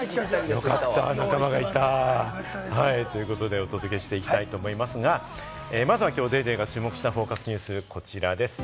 仲間がいた！ということでお届けしていきたいと思いますが、まずはきょう『ＤａｙＤａｙ．』が注目したＦＯＣＵＳニュース、こちらです。